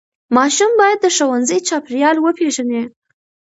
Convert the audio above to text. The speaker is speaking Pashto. ماشوم باید د ښوونځي چاپېریال وپیژني.